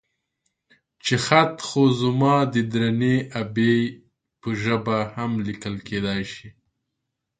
چې خط خو زما د درنې ابۍ په ژبه هم ليکل کېدای شي.